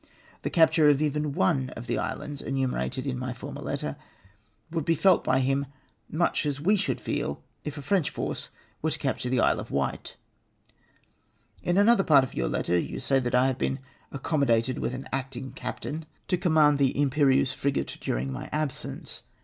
The capture of even one of tlie islands enumerated in my former letter would be felt by him much as we should feel if a French force were to capture the Isle of Wight. " In another part of your letter you say that I have been 'accommodated ivith an acting captain to commcuid the CONTEMPTUOUS RKPLY TO MY LP^TTEK. 159 frigate during my absence.''